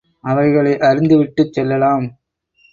அவைகளை அருந்திவிட்டுச் செல்லலாம்.